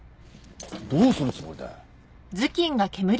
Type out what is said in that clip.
どうするつもりだ？